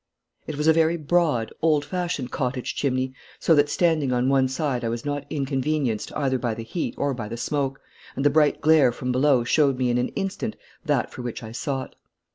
It was a very broad, old fashioned cottage chimney, so that standing on one side I was not inconvenienced either by the heat or by the smoke, and the bright glare from below showed me in an instant that for which I sought.